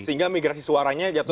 sehingga migrasi suaranya jatuh